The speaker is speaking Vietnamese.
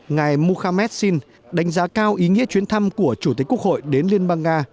ngài mohamed sin đánh giá cao ý nghĩa chuyến thăm của chủ tịch quốc hội đến liên bang nga